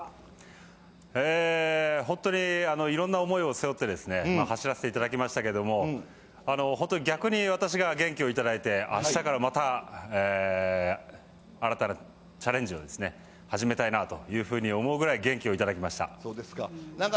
本当に、いろんな想いを背負って走らせていただきましたけれども、本当に逆に私が元気を頂いてあしたからまた、新たなチャレンジを始めたいなというふうに思うぐらい、元気を頂そうですか。